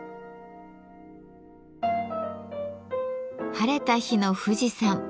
晴れた日の富士山。